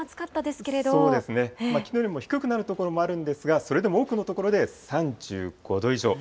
そうですね、きのうよりも低くなる所もあるんですが、それでも多くの所で３５度以上。